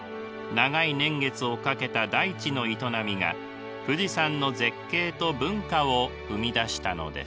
長い年月をかけた大地の営みが富士山の絶景と文化を生み出したのです。